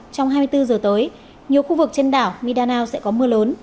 trong hai mươi bốn giờ tới nhiều khu vực trên đảo midanao sẽ có mưa lớn